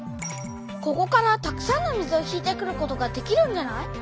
ここからたくさんの水を引いてくることができるんじゃない？